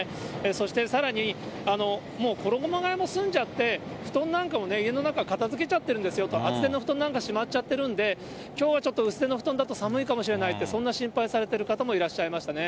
そしてさらにもう衣がえも済んじゃって、布団なんかもね、家の中、片づけちゃってるんですよ、厚手の布団なんかしまっちゃってるんで、きょうはちょっと薄手の布団だと寒いかもしれないと、そんな心配されてる方もいらっしゃいましたね。